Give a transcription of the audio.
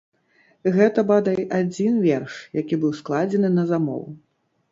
Гэта бадай адзін верш, які быў складзены на замову.